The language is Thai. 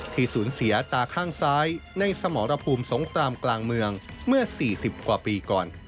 สูญเสียตาข้างซ้ายในสมรภูมิสงครามกลางเมืองเมื่อ๔๐กว่าปีก่อน